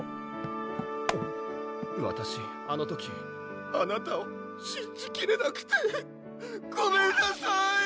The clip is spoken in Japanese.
わたしあの時あなたをしんじきれなくてごめんなさい！